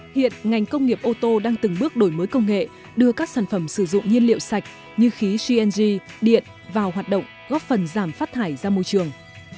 hiện ngành công nghiệp ô tô đang từng bước đổi mới công nghệ đưa các sản phẩm sử dụng nhiên liệu sạch như khí cng điện vào hoạt động góp phần giảm phát thải ra môi trường